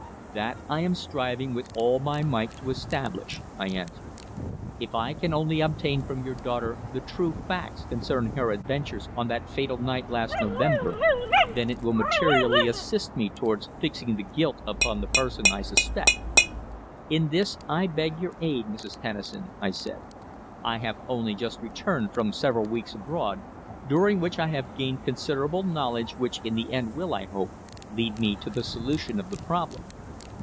"That I am striving with all my might to establish," I answered. "If I can only obtain from your daughter the true facts concerning her adventures on that fatal night last November, then it will materially assist me towards fixing the guilt upon the person I suspect. In this I beg your aid, Mrs. Tennison," I said. "I have only just returned from several weeks abroad, during which I have gained considerable knowledge which in the end will, I hope, lead me to the solution of the problem."